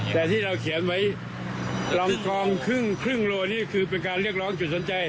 แต่ที่เราเขียนไว้ลองกองครึ่งโลนี่คือเป็นการเรียกร้องจุดสนใจ